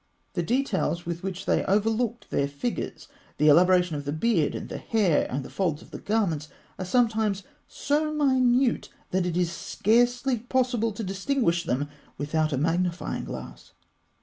The details with which they overloaded their figures, the elaboration of the beard and the hair, and the folds of the garments, are sometimes so minute that it is scarcely possible to distinguish them without a magnifying glass.